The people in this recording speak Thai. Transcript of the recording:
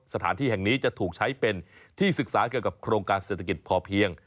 สถานที่แห่งนี้จะถูกใช้เป็นที่ศึกษาเกี่ยวกับโครงการเศรษฐกิจพอเพียง